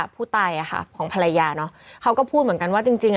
ผู้ใต่อะค่ะของภรรยาเนอะเขาก็พูดเหมือนกันว่าจริง